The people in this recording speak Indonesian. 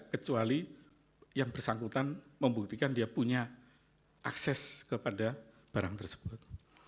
kecuali yang bersangkutan membuktikan dia punya akses kepada barang tersebut